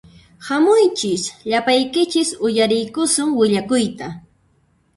Hamuychis llapaykichis uyariykusun willakuyta